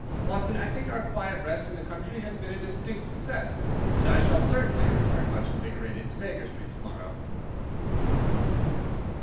Watson, I think our quiet rest in the country has been a distinct success, and I shall certainly return much invigorated to Baker Street to morrow."